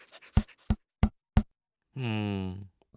うん。